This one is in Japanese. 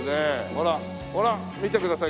ほらほら見てください。